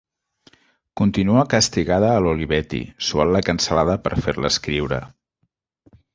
Continua castigada a l'Olivetti, suant la cansalada per fer-la escriure.